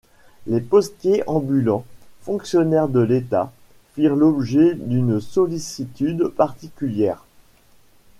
Les postiers ambulants, fonctionnaires de l'État, firent l'objet d'une sollicitude particulière.